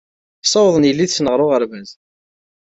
Ssawḍen yelli-tsen ɣer uɣerbaz.